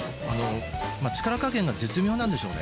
力加減が絶妙なんでしょうね